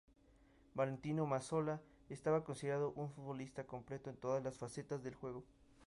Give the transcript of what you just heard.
Valentino Mazzola estaba considerado un futbolista completo en todas las facetas del juego.